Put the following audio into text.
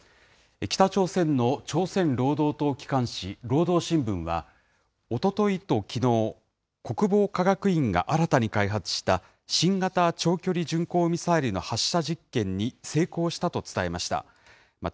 北朝鮮の朝鮮労働党機関紙、労働新聞は、おとといときのう、国防科学院が新たに開発した新型長距離巡航ミサイルの発射実験に成功したと伝えました。